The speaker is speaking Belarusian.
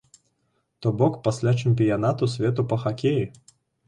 То бок, пасля чэмпіянату свету па хакеі.